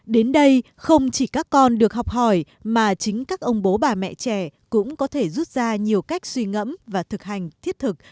đến đây không chỉ các con được học hỏi mà chính các ông bố bà mẹ trẻ cũng có thể rút ra nhiều cách suy ngẫm và thực hành thiết thực